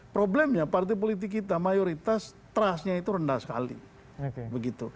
problemnya partai politik kita mayoritas trustnya itu rendah sekali begitu